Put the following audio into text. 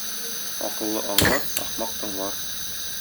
Акыллы аңлар, ахмак тыңлар.